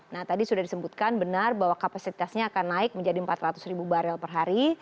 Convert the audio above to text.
nah tadi sudah disebutkan benar bahwa kapasitasnya akan naik menjadi empat ratus ribu barel per hari